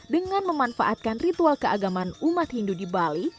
dengan memanfaatkan ritual keagamaan umat hindu di bali